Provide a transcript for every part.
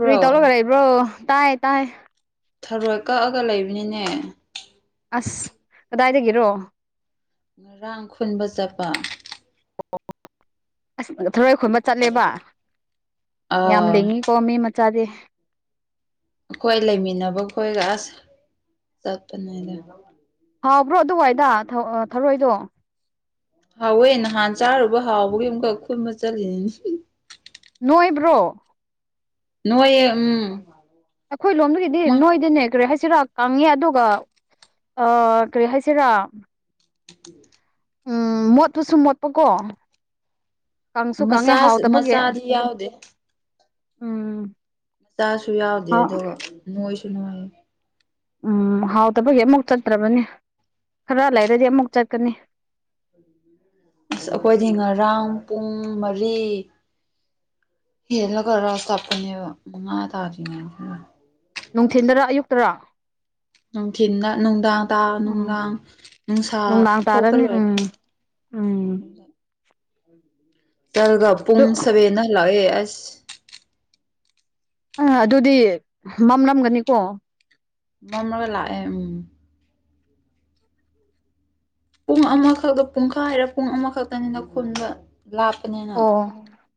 ꯀꯔꯤ ꯇꯧꯔꯒ ꯂꯩꯕ꯭ꯔꯣ ꯇꯥꯏ ꯇꯥꯏ ꯊꯔꯣꯏ ꯀꯛꯑꯒ ꯂꯩꯕꯅꯤꯅꯦ ꯑꯁ ꯀꯗꯥꯏꯗꯒꯤꯔꯣ ꯉꯔꯥꯡ ꯈꯨꯟꯕ ꯆꯠꯄ ꯑꯣ ꯑꯁ ꯊꯔꯣꯏ ꯈꯨꯣꯏꯕ ꯆꯠꯂꯦꯕ ꯌꯥꯝ ꯑꯥ ꯂꯦꯡꯉꯤ ꯄꯣꯝꯃꯤ ꯃꯆꯥꯗꯤ ꯑꯩꯈꯣꯏ ꯂꯩꯃꯤꯟꯅꯕ ꯈꯣꯏꯒ ꯑꯁ ꯆꯠꯄꯅꯦꯗ ꯍꯥꯎꯕ꯭ꯔꯣ ꯑꯗꯨꯋꯥꯏꯗ ꯊꯧ ꯊꯥꯔꯣꯏꯗꯣ ꯍꯥꯎꯋꯦ ꯅꯍꯥꯟ ꯆꯥꯔꯨꯕ ꯍꯥꯎꯕꯒꯤ ꯑꯃꯨꯛꯀ ꯈꯨꯨꯟꯕ ꯆꯠꯂꯤꯅꯤꯅꯦ ꯅꯣꯏꯕ꯭ꯔꯣ ꯅꯣꯏꯌ‌ꯦ ꯎꯝ ꯑꯩꯈꯣꯏ ꯂꯣꯝꯗꯒꯤꯗꯤ ꯃꯥ ꯅꯣꯏꯗꯤꯅꯦ ꯀꯔꯤ ꯍꯥꯏꯁꯤꯔꯥ ꯀꯪꯉꯦ ꯑꯗꯨꯒ ꯑ ꯀꯔꯤ ꯍꯥꯏꯁꯤꯔꯥ [unintelligible] ꯎꯝ ꯃꯣꯠꯄꯁꯨ ꯃꯣꯠꯄꯀꯣ ꯀꯥꯡꯁꯨ ꯀꯥꯡꯉꯦ ꯃꯆꯥ ꯍꯥꯎꯇꯕꯒꯤ ꯃꯆꯥꯗꯤ ꯌꯥꯎꯗꯦ ꯎꯝ ꯃꯆꯥꯁꯨ ꯌꯥꯎꯗꯦ ꯍꯥꯎ ꯑꯗꯨꯒ ꯅꯣꯏꯁꯨ ꯅꯣꯏ꯫ ꯎꯝ ꯍꯥꯎꯇꯕꯒꯤ ꯑꯃꯨꯛ ꯆꯠꯇ꯭ꯔꯕꯅꯤ ꯈꯔ ꯂꯩꯔꯗꯤ ꯑꯃꯨꯛ ꯆꯠꯀꯅꯤ꯫ [inaudible] ꯑꯁ ꯑꯈꯣꯏꯗꯤ ꯉꯔꯥꯡ ꯄꯨꯡ ꯃꯔꯤ ꯍꯦꯜꯂꯒꯔ ꯀꯞꯄꯅꯦꯕ ꯃꯉꯥ ꯇꯥꯗ꯭ꯔꯤꯉꯩꯗ꯫ ꯅꯨꯡꯊꯤꯟꯗꯔꯥ ꯑꯌꯨꯛꯇꯔꯥ? ꯅꯨꯡꯊꯤꯟꯗ ꯅꯨꯡꯗꯥꯡ ꯇꯥ ꯎꯝ ꯅꯨꯡꯗꯥꯡ ꯅꯨꯡꯁꯥ ꯅꯨꯡꯗꯥꯡ ꯊꯣꯛꯄ ꯇꯥꯔꯅꯤ ꯎꯝ ꯂꯣꯏꯔꯀꯥꯟ ꯎꯝ ꯗꯜꯒ ꯄꯨꯡ ꯑꯗꯨ ꯁꯕꯦꯟꯗꯍꯜꯂꯛꯑꯦ ꯑꯁ ꯑ ꯑꯗꯨꯗꯤ ꯃꯝꯂꯝꯒꯅꯤꯀꯣ ꯃ‌ꯝꯔꯒ ꯂꯥꯛꯑꯦ ꯎꯝ [inaudible] ꯄꯨꯡ ꯑꯃꯈꯛꯇ ꯄꯨꯡꯈꯥꯏꯔ ꯄꯨꯡ ꯑꯃꯈꯛꯇꯅꯤꯅ ꯈꯨꯟꯕ ꯂꯥꯞꯄꯅꯤꯅ꯫ ꯑꯣ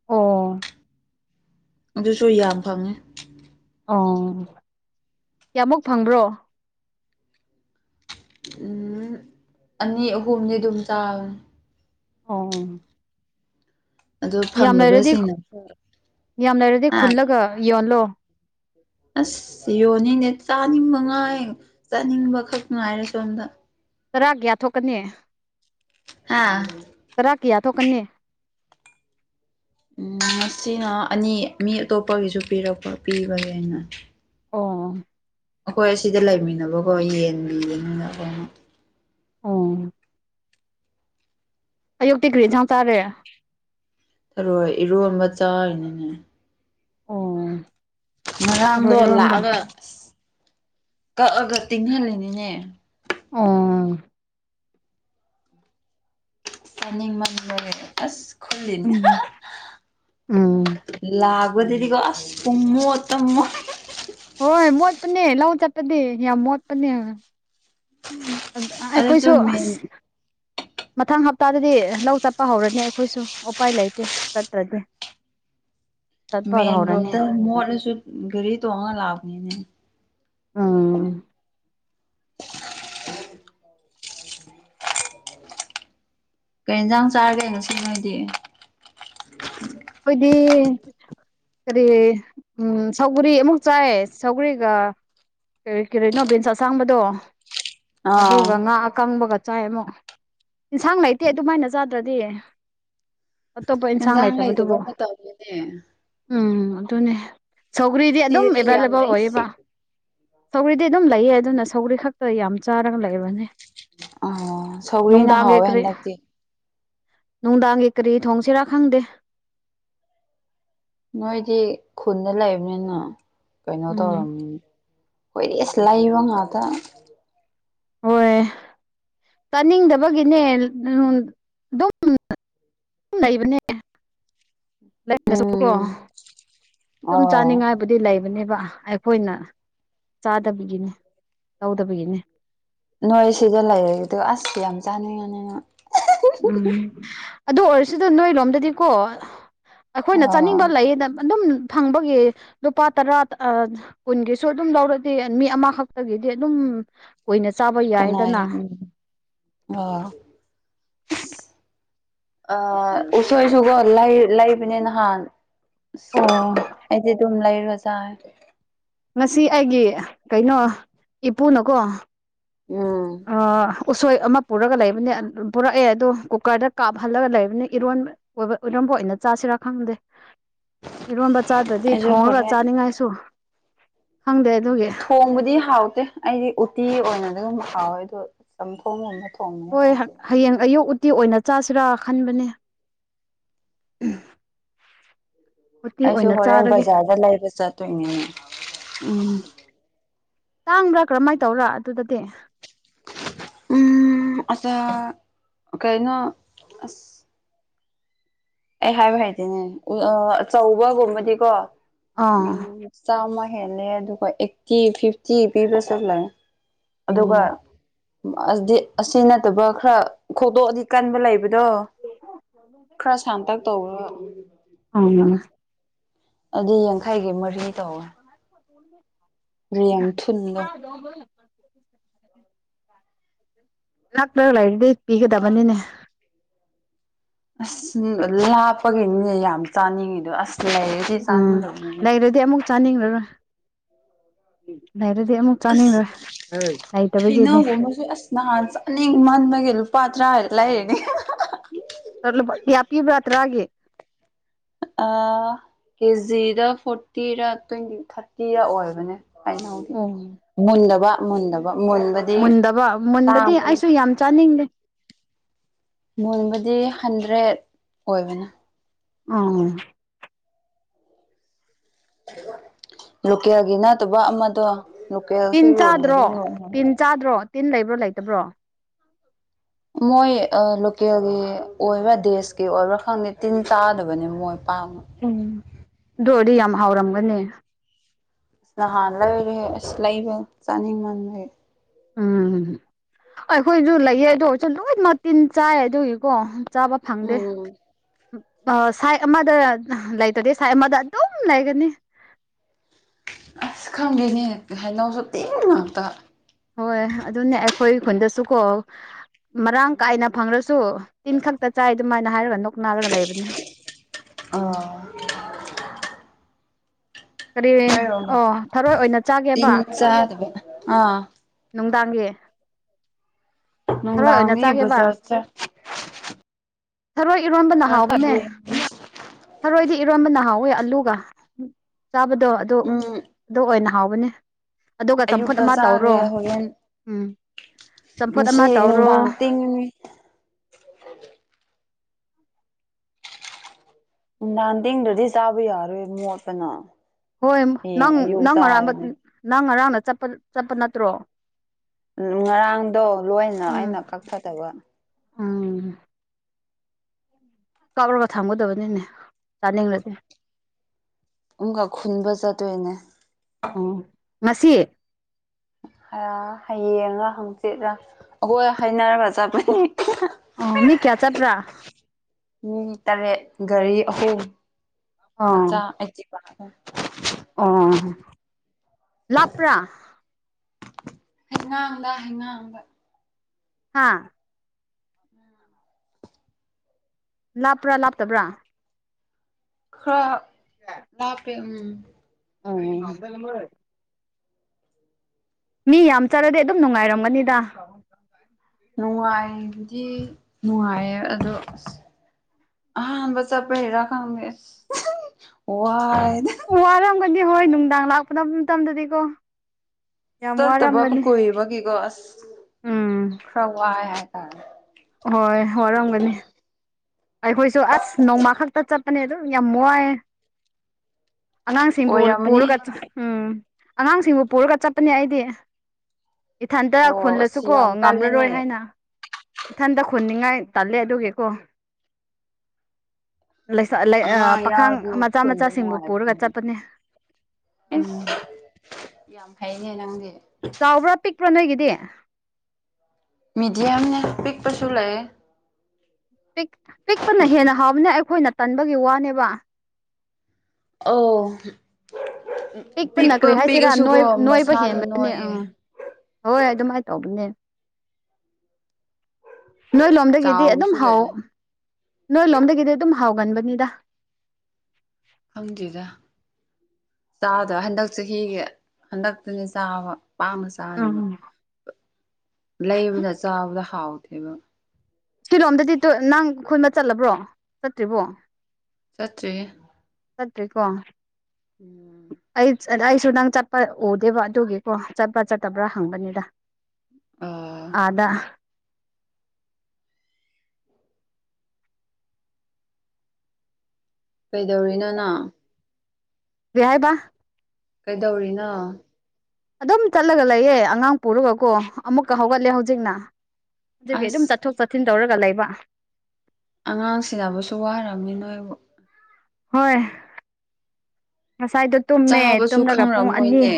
ꯑꯣ ꯑꯗꯨꯁꯨ ꯌꯥꯝ ꯐꯪꯉꯦ꯫ ꯑꯣ ꯀꯌꯥꯃꯨꯛ ꯐꯪꯕ꯭ꯔꯣ? ꯎꯝ ꯑꯅꯤ ꯑꯍꯨꯝꯗꯤ ꯗꯨꯝ ꯆꯥꯕ꯫ ꯑꯣ ꯑꯗꯨ ꯌꯥꯝ ꯂꯩꯔꯗꯤ ꯐꯪꯗꯕꯁꯤꯡꯅ ꯌꯥꯝ ꯂꯩꯔꯗꯤ ꯍꯥ ꯈꯨꯜꯂꯒ ꯌꯣꯜꯂꯣ꯫ ꯑꯁ ꯌꯣꯟꯅꯤꯅꯦ ꯆꯥꯅꯤꯡꯕ ꯉꯥꯏ ꯆꯥꯅꯤꯡꯕꯈꯛ ꯉꯥꯏꯔꯀꯥꯟꯗ꯫ ꯆꯔꯥ ꯀꯌꯥ ꯊꯣꯛꯀꯅꯤ? ꯍꯥ ꯋꯨꯔꯥ ꯀꯌꯥ ꯊꯣꯛꯀꯅꯤ? ꯎꯝ ꯉꯁꯤꯅ ꯑꯅꯤ ꯃꯤ ꯑꯇꯣꯞꯄꯒꯤꯁꯨ ꯄꯤꯔꯛꯄ ꯄꯤꯕꯒꯤ ꯑꯩꯅ꯫ ꯑꯣ ꯑꯈꯣꯏ ꯑꯁꯤꯗ ꯂꯩꯃꯤꯟꯅꯕꯀꯣ ꯌꯦꯟ ꯌꯦꯟꯅꯤꯅ ꯑꯃ ꯑꯣ ꯑꯌꯨꯛꯇꯤ ꯀꯔꯤ ꯏꯟꯁꯥꯡ ꯆꯥꯔꯦ ꯊꯔꯣꯏ ꯏꯔꯣꯟꯕ ꯆꯥꯔꯤꯅꯤꯅꯦ ꯑꯣ ꯊꯔꯣꯏ ꯉꯔꯥꯡꯗꯣ ꯏꯔꯣꯟꯕ ꯂꯥꯛꯑꯒ ꯑꯁ ꯀꯛꯑꯒ ꯇꯤꯡꯍꯜꯂꯤꯅꯤꯅꯦ ꯑꯣ ꯆꯥꯅꯤꯡ ꯃꯟꯕꯒꯤ ꯑꯁ ꯈꯨꯟꯔꯤꯅꯤ ꯎꯝ ꯎꯝ ꯂꯥꯛꯕꯗꯗꯤꯒꯣ ꯑꯁ ꯄꯨꯡꯃꯣꯠꯇ ꯃꯣꯠ ꯍꯣꯏ ꯃꯣꯠꯄꯅꯦ ꯂꯧ ꯆꯠꯄꯗꯤ ꯌꯥꯝ ꯃꯣꯠꯄꯅꯦ꯫ ꯑꯗꯨꯁꯨ ꯑꯩꯈꯣꯏꯁꯨ ꯃꯦꯟ ꯃꯊꯪ ꯍꯞꯇꯥꯗꯗꯤ ꯂꯧ ꯆꯠꯄ ꯍꯧꯔꯅꯤ ꯑꯈꯣꯏꯁꯨ ꯎꯄꯥꯏ ꯂꯩꯇꯦ ꯆꯠꯇ꯭ꯔꯗꯤ [inaudible] ꯃꯦꯟ ꯍꯧꯔꯅꯤ ꯔꯣꯗꯇ ꯃꯣꯠꯂꯁꯨ ꯒꯥꯔꯤ ꯇꯣꯡꯉꯒ ꯂꯥꯛꯄꯅꯤꯅꯦ ꯎꯝ [unintelligible] ꯀꯩ ꯌꯦꯟꯖꯥꯡ ꯆꯥꯔꯒꯦ ꯉꯁꯤ ꯅꯣꯏꯗꯤ ꯈꯣꯏꯗꯤ ꯀꯔꯤ ꯎꯝ ꯁꯧꯒꯔꯤ ꯑꯃꯨꯛ ꯆꯥꯏ ꯁꯧꯒꯔꯤꯒ ꯀꯔꯤ ꯀꯔꯤꯅꯣ ꯕꯤꯟꯁ ꯑꯁꯥꯡꯕꯗꯣ ꯑꯥ ꯑꯗꯨꯒ ꯉꯥ ꯑꯀꯪꯕꯒ ꯆꯥꯏ ꯑꯃꯨꯛ꯫ ꯏꯟꯁꯥꯡ ꯂꯩꯇꯦ ꯑꯗꯨꯃꯥꯏꯅ ꯆꯥꯗ꯭ꯔꯗꯤ ꯑꯇꯣꯞꯄ ꯏꯟꯁꯥꯡ ꯂꯩ ꯀꯩꯅꫭꯃꯥ ꯇꯧꯕꯅꯦ ꯎꯝ ꯑꯗꯨꯅꯦ ꯁꯧꯒ꯭ꯔꯤꯗꯤ ꯑꯗꯨꯝ ꯁꯤꯗꯗꯤ ꯌꯥꯝ ꯑꯦꯚꯥꯏꯂꯦꯕꯜ ꯂꯩ ꯑꯣꯏꯌꯦꯕ ꯁꯧꯒ꯭ꯔꯤꯗꯤ ꯑꯗꯨꯝ ꯂꯩꯌꯦ ꯑꯗꯨꯅ ꯁꯧꯒꯔꯤ ꯈꯛꯇꯥ ꯌꯥꯝ ꯆꯥꯔꯒ ꯂꯩꯕꯅꯦ ꯑꯣ ꯁꯧꯒꯔꯤꯅ ꯅꯨꯡꯗꯥꯡꯒꯤ ꯍꯥꯎꯋꯦ ꯀꯔꯤ ꯍꯟꯗꯛꯇꯤ ꯅꯨꯡꯗꯥꯡꯒꯤ ꯀꯔꯤ ꯊꯣꯡꯁꯤꯔꯥ ꯈꯪꯗꯦ ꯅꯣꯏꯗꯤ ꯈꯨꯟꯗꯥ ꯂꯩꯕꯅꯤꯅ ꯀꯩꯅꯣ ꯎꯝ ꯇꯧꯔꯝꯅꯤ ꯑꯈꯣꯏꯗꯤ ꯂꯩꯕ ꯉꯥꯛꯇꯥ ꯍꯣꯏ ꯆꯥꯅꯤꯡꯗꯥꯕꯒꯤꯅꯦ [inaudible] ꯑꯗꯨꯝ ꯂꯩꯕꯅꯦ ꯎꯝ [inaudible] ꯁꯨꯝ ꯑꯣ ꯆꯥꯅꯤꯡꯉꯥꯏ ꯕꯨꯗꯤ ꯂꯩꯕꯅꯦꯕ ꯑꯩꯈꯣꯏꯅ ꯆꯥꯗꯕꯒꯤꯅꯦ ꯂꯧꯗꯕꯒꯤꯅꯦ ꯅꯣꯏ ꯁꯤꯗꯥ ꯂꯩꯔꯦꯕꯗꯨ ꯑꯁ ꯌꯥꯝ ꯆꯥꯅꯤꯡꯕꯅꯦꯕ ꯎꯝ ꯑꯗꯨ ꯑꯣꯏꯔꯥꯁꯨꯗꯣ ꯅꯣꯏ ꯂꯣꯝꯗꯥꯗꯤꯀꯣ ꯑꯩꯈꯣꯏꯅ ꯆꯥꯅꯤꯡꯕ ꯑꯣ ꯂꯩꯌꯦꯗ ꯑꯗꯨꯝ ꯐꯪꯕꯒꯤ ꯂꯨꯄꯥ ꯇꯔꯥ ꯑꯥ ꯀꯨꯟꯒꯤꯁꯨ ꯑꯗꯨꯝ ꯂꯧꯔꯥꯗꯤ ꯃꯤ ꯑꯃꯥꯈꯛꯇꯥꯒꯤꯗꯤ ꯑꯗꯨꯝ ꯀꯨꯏꯅ ꯆꯥꯕ ꯌꯥꯏꯗꯥꯅ ꯑꫭ ꯑꯥ ꯎꯁꯣꯏꯁꯨꯀꯣ ꯂꯩ ꯂꯩꯕꯅꯤ ꯅꯍꯥꯟ ꯑꯁ ꯑꯣ ꯑꯩꯗꯤ ꯑꯗꯨꯝ ꯂꯩꯔꯥꯒꯥ ꯆꯥꯏ ꯉꯁꯤ ꯑꯩꯒꯤ ꯀꯩꯅꯣ ꯏꯄꯨꯅꯥꯀꯣ ꯎꯝ ꯑꯥ ꯎꯁꯣꯏ ꯑꯃꯥ ꯄꯨꯔꯒꯥ ꯂꯩꯕꯥꯅꯤ ꯄꯨꯔꯛꯑꯦ ꯑꯗꯣ ꯀꯨꯀꯔꯗꯥ ꯀꯥꯞꯍꯜꯂꯥꯒ ꯂꯩꯕꯅꯤ ꯏꯔꯣꯟ ꯑꯣꯏꯕ ꯏꯔꯣꯟꯕ ꯑꯣꯏꯅ ꯆꯥꯁꯤꯔꯥ ꯈꯪꯗꯦ ꯏꯔꯣꯟꯕ ꯆꯥꯗ꯭ꯔꯗꯤ ꯑꯩꯁꯨ ꯊꯣꯡꯉꯥꯒ ꯍꯣꯔꯦꯟ ꯆꯥꯅꯤꯡꯉꯥꯏꯁꯨ ꯈꯪꯗꯦ ꯑꯗꯨꯒꯤ ꯊꯣꯡꯕꯗꯤ ꯍꯥꯎꯇꯦ ꯑꯩꯗꯤ ꯎꯇꯤ ꯑꯣꯏꯅ ꯗꯨꯝ ꯍꯥꯎꯋꯦ ꯑꯗꯨ ꯆꯝꯊꯣꯡ ꯑꯣꯏꯅ ꯍꯣꯏ ꯍꯌꯦꯡ ꯑꯌꯨꯛ ꯎꯇꯤ ꯑꯣꯏꯅ ꯆꯥꯁꯤꯔ ꯈꯟꯕꯅꯤ [unintelligible] ꯑꯩꯁꯨ ꯑꯣꯏꯅ ꯍꯣꯔꯦꯟ ꯆꯥꯔꯒꯦ ꯕꯖꯥꯔꯗ ꯂꯩꯕ ꯆꯠꯇꯣꯏꯅꯦ ꯎꯝ ꯇꯥꯡꯕ꯭ꯔꯥ ꯀꯔꯝꯃꯥꯏ ꯇꯧꯕ꯭ꯔꯥ ꯑꯗꯨꯗꯗꯤ ꯎꯝ ꯑꯆꯥ ꯀꯩꯅꯣ ꯑꯁ ꯑꯩ ꯍꯥꯏꯕ ꯍꯩꯇꯦꯅꯦ ꯑꯥ ꯑꯆꯧꯕꯒꯨꯝꯕꯗꯤ ꯀꯣ ꯑꯥ ꯎꯝ ꯆꯥꯝꯃ ꯍꯦꯜꯂꯦ ꯑꯗꯨꯒ ꯑꯩꯠꯇꯤ ꯐꯤꯐꯇꯤ ꯄꯤꯕꯁꯨ ꯂꯩ ꯑꯗꯨꯒ ꯑꯁꯤ ꯅꯠꯇꯕ ꯈꯔ ꯈꯣꯡꯇꯣꯛꯑꯥꯗꯤ ꯀꯟꯕ ꯂꯩ [inaudible] ꯇꯧꯔ [unintelligible] ꯑꯗꯩ ꯌꯥꯡꯈꯩꯒꯤ ꯃꯔꯤ ꯇꯧꯋꯦ ꯔꯦꯡ ꯊꯨꯟꯗꯣ [unintelligible] ꯅꯛꯅ ꯂꯩꯥꯔꯗꯤ ꯄꯤꯒꯗꯕꯅꯤꯅꯦ ꯑꯁ ꯂꯥꯞꯄꯥꯒꯤꯅꯤꯅꯦ ꯌꯥꯝ ꯆꯥꯅꯤꯡꯉꯤꯗꯣ ꯑꯁ ꯂꯩ ꯎꯝ ꯂꯩꯔꯗꯤ ꯑꯃꯨꯛ ꯆꯥꯅꯤꯡꯔꯔꯣꯏ ꯂꯩꯔꯗꯤ ꯑꯃꯨꯛ ꯆꯥꯅꯤꯡꯔꯣꯏ ꯂꯩꯇꯥꯕꯒꯤꯅꯤ ꯅꯥꯍꯥꯟ ꯆꯥꯅꯤꯡ ꯃꯟꯕꯒꯤ ꯂꯨꯄꯥ ꯇ꯭ꯔꯥꯒꯤ ꯂꯩꯔꯤꯅꯤ ꯀꯌꯥ ꯄꯤꯕ꯭ꯔꯥ ꯇꯔꯥꯒꯤ ꯑꯥ ꯀꯦꯖꯤꯗ ꯐꯣꯔꯇꯤꯔ ꯇ꯭ꯋꯦꯟꯇꯤ ꯊ꯭ꯔꯥꯇꯤꯔ ꯑꯣꯏꯕꯅꯦ ꯑꯣ ꯃꯨꯜꯂꯕ ꯃꯨꯟꯗꯥꯕ ꯃꯨꯟꯕ ꯃꯨꯟꯗꯕ ꯃꯨꯟꯕꯗꯤ ꯑꯩꯁꯨ ꯌꯥꯝ ꯆꯥꯅꯤꯡꯗꯦ ꯃꯨꯟꯕꯥꯗꯤ ꯍꯟꯗ꯭ꯔꯦꯠ ꯑꯣꯏꯕꯅꯦ ꯑꯧ ꯂꯣꯀꯦꯜꯒꯤ ꯅꯠꯇꯕ ꯑꯃꯗꯣ ꯂꯣꯀꯦꯜꯁꯨ ꯇꯤꯟ ꯌꯣꯟꯕꯗꯤ ꯆꯥꯗ꯭ꯔꯣ ꯌꯣꯟꯕꯅꯤ ꯇꯤꯟ ꯆꯥꯗ꯭ꯔꯣ ꯇꯤꯟ ꯂꯩꯕ꯭ꯔꯣ ꯂꯩꯇꯕ꯭ꯔꯣ ꯃꯣꯏ ꯂꯣꯀꯦꯜꯒꯤ ꯑꯣꯏꯕ ꯗꯦꯖꯀꯤ ꯑꯣꯏꯕ꯭ꯔꯥ ꯈꯪꯗꯦ ꯇꯤꯟ ꯆꯥꯗꯕꯅꯤ ꯃꯣꯏ ꯄꯥꯛꯅ ꯎꯝ ꯑꯗꯨ ꯑꯣꯏꯔꯗꯤ ꯌꯥꯝ ꯍꯥꯎꯔꯝꯒꯅꯤ ꯅꯍꯥꯟ ꯂꯩꯔꯦ ꯑꯁ ꯂꯩꯕ ꯆꯥꯅꯤꯡꯃꯟꯕꯩ ꯎꯝ ꯑꯩꯈꯣꯏꯁꯨ ꯂꯩꯌꯦ ꯑꯗꯣ ꯂꯣꯏꯃꯛ ꯇꯤꯟ ꯆꯥꯏ ꯑꯗꯨꯒꯤꯀꯣ ꯆꯥꯕ ꯐꯪꯗꯦ ꯎꯝ ꯑꯥ ꯁꯥꯏꯠ ꯑꯃꯗ ꯂꯩꯇ꯭ꯔꯗꯤ ꯁꯥꯏꯠ ꯑꯃꯗ ꯑꯗꯨꯝ ꯂꯩꯒꯅꯤ ꯑꯁ ꯈꯪꯗꯦꯅꯦ ꯍꯩꯅꯧꯁꯨ ꯇꯤꯟ ꯉꯥꯛꯇ ꯍꯣꯏ ꯑꯗꯨꯅꯦ ꯑꯩꯈꯣꯏ ꯈꯨꯟꯗꯁꯨ ꯀꯣ ꯃꯔꯥꯡ ꯀꯥꯏꯅ ꯐꯪꯔꯁꯨ ꯇꯤꯟ ꯈꯛꯇ ꯆꯥꯏ ꯑꯗꯨꯃꯥꯏꯟ ꯍꯥꯏꯔꯒ ꯅꯣꯛ ꯅꯥꯔꯒ ꯂꯩꯕꯅꯤ ꯑꯥ ꯀꯔꯤ ꯑꯩꯈꯣꯏꯔꯣꯝꯗ ꯑꯣ ꯊꯥꯔꯣꯏ ꯑꯣꯏꯅ ꯇꯤꯟ ꯆꯥꯒꯦꯕ ꯆꯥꯗꯕ ꯑꯥ ꯅꯨꯡꯗꯥꯡꯒꯤ ꯊꯥꯔꯣꯏ ꯑꯣꯏꯅ ꯅꯨꯡꯗꯥꯡꯒꯤ ꯆꯥꯒꯦꯕ ꯕꯖꯥꯔ ꯊꯥꯔꯣꯏ ꯏꯔꯣꯟꯝꯕꯅ ꯆꯠ ꯍꯥꯎꯕꯅꯦ ꯊꯥꯔꯣꯏꯗꯤ ꯏꯔꯣꯟꯝꯕꯅ ꯍꯥꯎꯋꯦ ꯑꯂꯨꯒ ꯆꯥꯕꯗꯣ ꯑꯗꯨ ꯎꯝ ꯑꯗꯨ ꯑꯣꯏꯅ ꯍꯥꯎꯕꯅꯦ ꯑꯗꯨꯒ ꯆꯝꯐꯨꯠ ꯑꯌꯨꯛꯇ ꯑꯃ ꯇꯧꯔꯣ, ꯆꯥꯈ꯭ꯔꯦ ꯍꯣꯔꯦꯟ ꯎꯝ ꯆꯝꯐꯨꯠ ꯑꯃ ꯉꯁꯤ ꯇꯧꯔꯣ ꯅꯨꯡꯗꯥꯡ ꯇꯤꯡꯉꯤ [unintelligible] ꯇꯦꯡꯗ꯭ꯔꯗꯤ ꯆꯥꯕ ꯌꯥꯔꯣꯏꯦ ꯃꯣꯠꯄꯅ ꯍꯣꯏ ꯍꯌꯦꯡ ꯅꯪ ꯑꯌꯨꯛ ꯅꯪ ꯑꯔꯥꯟꯕ ꯆꯥꯔꯅꯤ ꯅꯪ ꯉꯔꯥꯡꯅꯄ ꯆꯠꯄ ꯆꯠꯄ ꯅꯠꯇ꯭ꯔꯣ ꯉꯔꯥꯡꯗꯣ ꯂꯣꯏꯅ ꯑꯩꯅ ꯀꯛꯊꯠꯇꯕ ꯑꯪ ꯀꯛꯔꯒ ꯊꯥꯡꯒꯗꯕꯅꯤꯅꯦ ꯆꯥꯅꯤꯡꯂꯗꯤ ꯑꯃꯨꯛꯀ ꯈꯨꯟꯕ ꯆꯠꯇꯣꯏꯅꯦ ꯑꯪ ꯉꯁꯤ ꯍꯌꯦꯡꯔ ꯍꯪꯆꯤꯠꯂ ꯑꯩꯈꯣꯏ ꯍꯥꯏꯩꯅꯔꯒ ꯆꯠꯄꯅꯤ ꯑꯣ ꯃꯤ ꯀꯌꯥ ꯆꯠꯄ꯭ꯔ ꯃꯤ ꯇꯔꯦꯠ ꯒꯥꯔꯤ ꯑꯍꯨꯝ ꯃꯆꯥ ꯑꯣ ꯑꯩꯇꯤꯄꯥ ꯑꯍꯨꯝ ꯑꯣ ꯂꯞꯄ꯭ꯔ ꯍꯩꯉꯥꯡꯗ ꯍꯩꯉꯥꯡꯗ ꯍꯥꯥ ꯂꯥꯞꯄ꯭ꯔꯥ ꯂꯥꯞꯇꯕ꯭ꯔꯥ ꯈꯔ ꯂꯞꯄꯦ ꯎꯝ ꯑꯪ ꯃꯤ ꯌꯥꯝ ꯆꯠꯂꯗꯤ ꯑꯗꯨꯝ ꯅꯨꯡꯉꯥꯏꯔꯝꯒꯅꯤꯗ ꯅꯨꯡꯉꯥꯏꯗꯤ ꯅꯨꯡꯉꯥꯏꯌꯦ ꯑꯗꯣ ꯑꯁ ꯑꯍꯥꯟꯕ ꯆꯠꯄ ꯈꯪꯗꯦ ꯑꯁ ꯎꯍꯝ ꯋꯥꯏꯑꯦꯗ ꯋꯥꯔꯝꯒꯅꯤ ꯍꯣꯏ ꯅꯨꯡꯗꯥꯡ ꯂꯥꯛꯄ ꯃꯇꯝꯗꯗꯤꯀꯣ ꯌꯥꯝ ꯆꯠꯇꯕꯕꯨ ꯋꯥꯔꯝꯒꯅꯤ ꯀꯨꯏꯕꯒꯤꯀꯣ ꯑꯁ ꯎꯝ ꯈꯔ ꯋꯥꯏ ꯍꯥꯏꯇꯥꯔꯦ ꯍꯣꯏ ꯋꯥꯔꯝꯒꯅꯤ ꯑꯩꯈꯣꯏꯁꯨ ꯑꯁ ꯅꯣꯡꯃ ꯈꯛꯇ ꯆꯠꯄꯅꯦ ꯑꯗꯨꯝ ꯌꯥꯝ ꯋꯥꯏꯑꯦ ꯑꯉꯥꯡꯁꯤꯡꯕꯨ ꯑꯣꯏꯔꯝꯃꯅꯤ ꯄꯨꯔꯒ ꯎꯝ ꯑꯉꯥꯡꯁꯤꯡꯕꯨ ꯄꯨꯔꯒ ꯆꯠꯄꯅꯦ ꯑꯩꯗꯤ ꯏꯊꯟꯇ ꯑꯣ ꯈꯨꯜꯂꯁꯨ ꯑꯁ ꯀꯣ ꯌꯥꯝ ꯉꯝꯔꯔꯣꯏ ꯀꯜꯂꯦꯅꯦ ꯍꯥꯏꯅ ꯏꯊꯟꯇ ꯍꯨꯅꯤꯡꯉꯥꯏ ꯇꯜꯂꯦ ꯑꯗꯨꯒꯤꯀꯣ ꯑꯉꯥꯡ ꯄꯥꯈꯪ ꯌꯥꯎꯔꯗꯤ ꯃꯆꯥ ꯈꯨꯟꯕ ꯃꯆꯥꯁꯤꯡꯕꯨ ꯄꯨꯔꯒ ꯅꯨꯡꯉꯥꯏꯕꯅꯤ ꯆꯠꯄꯅꯦ ꯏꯁ ꯎꯝ ꯌꯥꯝ ꯐꯩꯅꯦ ꯅꯪꯗꯤ ꯆꯥꯎꯕ꯭ꯔꯥ ꯄꯤꯛꯄ꯭ꯔꯥ ꯅꯣꯏꯒꯤꯗꯤ ꯃꯤꯗꯤꯌꯝꯅꯦ ꯄꯤꯛꯄꯁꯨ ꯂꯩ ꯄꯤꯛ ꯄꯤꯛꯄꯅ ꯍꯦꯟꯅ ꯍꯥꯎꯕꯅ ꯑꯩꯈꯣꯏꯅ ꯇꯟꯕꯒꯤ ꯋꯥꯅꯦꯕ ꯑꯧ ꯄꯤꯛꯄ ꯀ꯭ꯔꯤ ꯍꯥꯏꯁꯤꯔꯥ ꯄꯤꯛꯑꯁꯨꯀꯣ ꯅꯣꯏ ꯅꯣꯏꯕ ꯃꯁꯥꯗꯣ ꯍꯦꯟꯕꯅꯦ ꯅꯣꯏꯌꯦ ꯑꯥ ꯍꯣꯏ ꯑꯗꯨꯃꯥꯏꯅ ꯇꯧꯕꯅꯦ ꯅꯣꯏ ꯂꯣꯝꯗꯒꯤꯗꯤ ꯑꯗꯨꯝ ꯆꯥꯎꯕꯁꯨ ꯍꯥꯎ ꯂꯩ ꯅꯣꯏ ꯂꯣꯝꯗꯒꯤꯗꯤ ꯑꯗꯨꯝ ꯍꯥꯎꯒꯟꯕꯅꯤꯗ ꯈꯪꯗꯦꯗ ꯆꯥꯗ ꯍꯟꯗꯛ ꯆꯍꯤꯒꯤ ꯍꯟꯗꯛꯇꯅꯦ ꯆꯥꯕ ꯄꯥꯝꯅ ꯎꯝ ꯂꯩꯕꯅ ꯆꯥꯕꯗ ꯍꯥꯎꯇꯦꯕ ꯁꯤꯂꯣꯝꯗꯗꯤ ꯇꯨ ꯅꯪ ꯈꯨꯟꯕ ꯆꯠꯂꯕ꯭ꯔꯣ ꯆꯠꯇ꯭ꯔꯤꯕꯣ ꯆꯠꯇꯔꯤ ꯆꯠꯇ꯭ꯔꯤꯀꯣ ꯎꯝ ꯑꯩ ꯑꯩꯁꯨ ꯅꯪ ꯆꯠꯄ ꯎꯗꯦꯕ ꯑꯗꯨꯒꯤꯀꯣ ꯆꯠꯄ꯭ꯔꯥ ꯆꯠꯇꯕ꯭ꯔꯥ ꯍꯪꯕꯅꯤꯗ ꯑꯣ ꯑꯥꯗ ꯀꯩꯗꯧꯔꯤꯅꯣ ꯅꯪ ꯀ꯭ꯔꯤ ꯍꯥꯏꯕ ꯀꯩꯗꯧꯔꯤꯅꯣ ꯑꯗꯨꯝ ꯆꯠꯂꯒ ꯂꯩꯌꯦ ꯑꯉꯥꯡ ꯄꯣꯔꯒꯀꯣ ꯑꯃꯨꯛꯀ ꯍꯧꯒꯠꯂꯦ ꯍꯧꯖꯤꯛꯅ ꯑꯗꯨꯒꯤ ꯑꯗꯨꯝ ꯆꯠ ꯑꯁ ꯆꯠꯊꯣꯛ ꯆꯠꯁꯤꯟ ꯇꯧꯔꯒ ꯂꯩꯕ ꯑꯉꯥꯡ ꯁꯦꯟꯅꯕꯁꯨ ꯋꯥꯔꯝꯅꯤ ꯅꯣꯏꯕꯨ ꯍꯣꯏ ꯉꯁꯥꯏꯗꯣ ꯇꯨꯝꯃꯦ ꯆꯥꯕꯁꯨ ꯇꯨꯝꯔꯒ ꯄꯨꯡ ꯑꯅꯤ ꯈꯪꯔꯝꯃꯣꯏꯅꯦ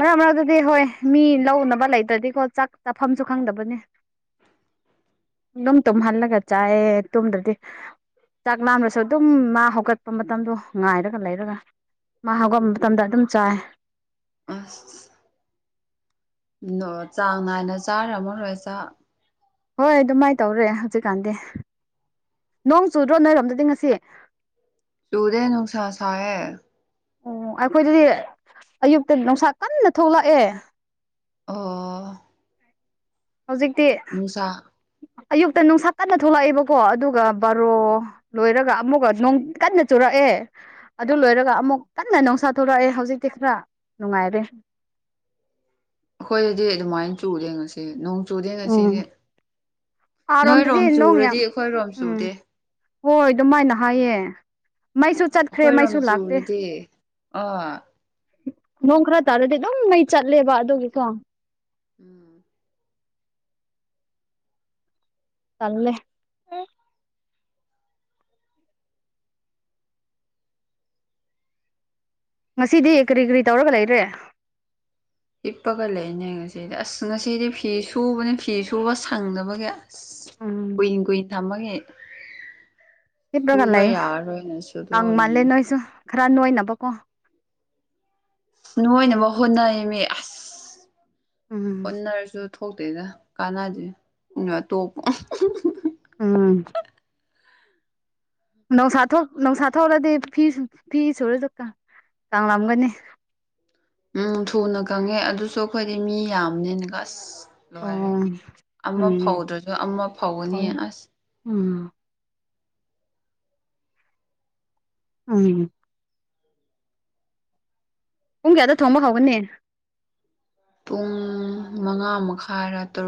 ꯃꯔꯛ ꯃꯔꯛꯇꯗꯤ ꯍꯣꯏ ꯃꯤ ꯂꯧꯅꯕ ꯂꯩꯇ꯭ꯔꯗꯤꯀꯣ ꯆꯥꯛ ꯆꯥꯐꯝꯁꯨ ꯈꯪꯗꯕꯅꯦ ꯑꯗꯨꯝ ꯇꯨꯝꯍꯜꯂꯒ ꯆꯥꯏꯌꯦ ꯇꯨꯝꯗ꯭ꯔꯗꯤ ꯆꯥꯛ ꯂꯥꯝꯂꯁꯨ ꯑꯗꯨꯝ ꯃꯥ ꯍꯧꯒꯠꯄ ꯃꯇꯝꯗꯣ ꯉꯥꯏꯔꯒ ꯂꯩꯔꯒ ꯃꯥ ꯍꯧꯒꯠ ꯃꯇꯝꯗ ꯑꯗꯨꯝ ꯆꯥꯏ ꯑꯁ ꯅꯣꯔ ꯆꯥꯡ ꯅꯥꯏꯅ ꯆꯥꯔꯝꯃꯔꯣꯏ ꯆꯥꯛ ꯍꯣꯏ ꯑꯗꯨꯃꯥꯏ ꯇꯧꯔꯦ ꯍꯧꯖꯤꯛꯀꯥꯟꯗꯤ ꯅꯣꯡ ꯆꯨꯗ꯭ꯔꯣ ꯅꯣꯏꯔꯣꯝꯗꯗꯤ ꯉꯁꯤ ꯆꯨꯨꯗꯦ ꯅꯨꯡꯁꯥ ꯁꯥꯏꯌꯦ ꯑꯣ ꯑꯩꯈꯣꯏꯗꯗꯤ ꯑꯌꯨꯛꯇ ꯅꯨꯡꯁꯥ ꯀꯟꯅ ꯊꯣꯛꯂꯛꯑꯦ ꯑꯣ ꯍꯧꯖꯤꯛꯇꯤ ꯅꯨꯡꯁꯥ ꯑꯌꯨꯛꯇ ꯅꯨꯡꯁꯥ ꯀꯟꯅ ꯊꯣꯛꯂꯛꯑꯦꯕꯀꯣ ꯑꯗꯨꯒ ꯕꯥꯔꯣ ꯂꯣꯏꯔꯒ ꯑꯃꯨꯛꯀ ꯅꯣꯡ ꯀꯟꯅ ꯆꯨꯔꯛꯑꯦ ꯑꯗꯨ ꯂꯣꯏꯔꯒ ꯑꯥ ꯑꯃꯨꯛ ꯀꯟ ꯅ ꯅꯨꯡꯁꯥ ꯊꯣꯛꯂꯛꯑꯦ ꯍꯧꯖꯤꯛꯇꯤ ꯈꯔ ꯅꯨꯡꯉꯥꯏꯔꯦ ꯑꯩꯈꯣꯏꯗꯤ ꯑꯗꯨꯃꯥꯏꯟ ꯆꯨꯗꯦ ꯉꯁꯤ ꯁꯤ ꯅꯣꯡ ꯆꯨꯗꯦ ꯎꯝ ꯉꯁꯤꯗꯤ ꯑꯥꯔꯣꯝꯗꯗꯤ ꯅꯣꯏꯔꯣꯝ ꯅꯣꯡ ꯆꯨꯔꯗꯤ ꯌꯥꯝ ꯑꯩꯈꯣꯏꯔꯣꯝ ꯆꯨꯗꯦ ꯎꯝ ꯍꯣꯏ ꯑꯗꯨꯃꯥꯏꯅ ꯍꯥꯏꯌꯦ ꯃꯩꯁꯨ ꯆꯠꯈ꯭ꯔꯦ ꯃꯩꯁꯨ ꯑꯩꯈꯣꯏꯔꯣꯝ ꯂꯥꯛꯇꯦ ꯆꯨꯔꯗꯤ ꯑ ꯅꯣꯡ ꯈꯔ ꯇꯥꯔꯗꯤ ꯑꯗꯨꯝ ꯃꯩ ꯆꯠꯂꯦꯕ ꯑꯗꯨꯒꯤꯀꯣ ꯎꯝ ꯇꯜꯂꯦ ꯉꯁꯤꯗꯤ ꯀ꯭ꯔꯤ ꯀ꯭ꯔꯤ ꯇꯧꯔꯒ ꯂꯩꯔꯦ ꯍꯤꯞꯄꯒ ꯂꯩꯅꯦ ꯉꯁꯤꯗꯤ ꯑꯁ ꯉꯁꯤꯗꯤ ꯐꯤ ꯁꯨꯕꯅꯦ ꯐꯤ ꯁꯨꯕ ꯁꯪꯗꯕꯒꯤ ꯑꯁ ꯎꯝ ꯀꯨꯏ ꯀꯨꯏ ꯊꯝꯕꯒꯤ ꯍꯤꯞꯄꯒ ꯂꯩꯥꯛꯌꯨ ꯀꯪꯃꯜꯂꯦ ꯅꯣꯏꯁꯨ ꯈꯔ ꯅꯣꯏꯅꯕꯀꯣ ꯅꯣꯏꯅꯕ ꯍꯣꯠꯅꯩ ꯑꯃꯤ ꯑꯁ ꯎꯝ ꯍꯣꯠꯅꯔꯁꯨ ꯊꯣꯛꯇꯦꯗ ꯀꯥꯟꯅꯗꯦ ꯑꯗꯨꯅ ꯇꯣꯛꯄ ꯎꯝ ꯅꯨꯡꯁꯥ ꯊꯣ ꯅꯨꯡꯁꯥ ꯊꯣꯛꯔꯗꯤ ꯐꯤ ꯁꯨ ꯐꯤ ꯁꯨꯔꯁꯨ ꯀ ꯀꯪꯂꯝꯒꯅꯤ ꯎꯝ ꯊꯨꯅ ꯈꯪꯉꯦ ꯑꯗꯨꯁꯨ ꯑꯩꯈꯣꯏꯗꯤ ꯃꯤ ꯌꯥꯝꯅꯤꯅꯀ ꯑꯁ ꯅꯨꯡꯉꯥꯏꯔꯦ ꯑꯣ ꯑꯃ ꯎꯝ ꯐꯧꯗ꯭ꯔꯁꯨ ꯑꯃ ꯐꯧꯒꯅꯤ ꯍꯣꯏ ꯑꯁ ꯎꯝ ꯎꯝ ꯄꯨꯡ ꯀꯌꯥꯗ ꯊꯣꯡꯕ ꯍꯧꯒꯅꯤ ꯄꯨꯡ ꯃꯉꯥ ꯃꯈꯥꯏꯔꯥ ꯇꯔꯨꯛ